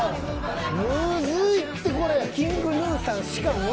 むずいってこれ。